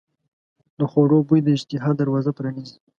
د خوړو بوی د اشتها دروازه پرانیزي.